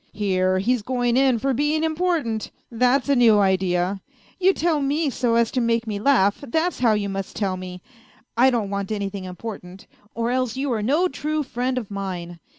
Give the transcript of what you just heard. " Here, he's going in for being important ! That's a new idea ! You tell me so as to make me laugh, that's how you must tell me ; I don't want anything important ; or else you are no true friend of mine.